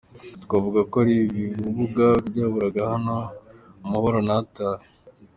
twavuga ko ari ibumba, ryaraburaga hano amahoro ntatahe.